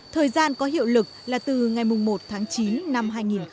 thời gian có hiệu lực là từ ngày một tháng chín năm hai nghìn một mươi tám